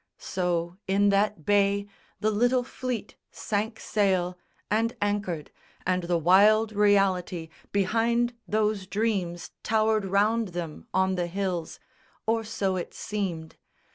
So, in that bay, the little fleet sank sail And anchored; and the wild reality Behind those dreams towered round them on the hills, Or so it seemed.